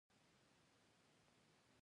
پالک د اوسپنې یوه لویه سرچینه ده.